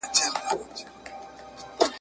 او « د سیند پرغاړه» !.